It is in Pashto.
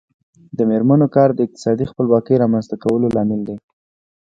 د میرمنو کار د اقتصادي خپلواکۍ رامنځته کولو لامل دی.